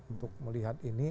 untuk melihat ini